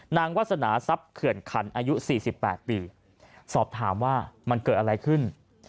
วาสนาทรัพย์เขื่อนขันอายุ๔๘ปีสอบถามว่ามันเกิดอะไรขึ้น